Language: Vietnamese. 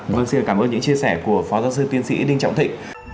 vâng xin cảm ơn những chia sẻ của phó giáo sư tiến sĩ đinh trọng thịnh